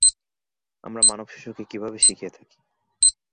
আমরা মানব শিশুকে কিভাবে শিখিয়ে থাকি?